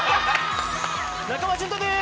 中間淳太です！